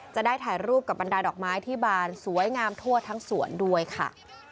จะได้ถ่ายรูปกับบรรดาดอกไม้ที่บานสวยงามทั่วทั้งสวนด้วยค่ะ